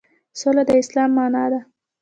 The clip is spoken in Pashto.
سوله د اسلام معنی ده